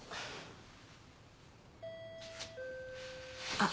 ・・あっ。